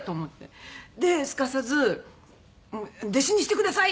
ですかさず「弟子にしてください！」